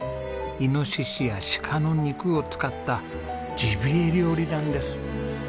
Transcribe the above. イノシシや鹿の肉を使ったジビエ料理なんです。